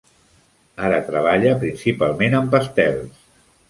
Ara treballa principalment amb pastels.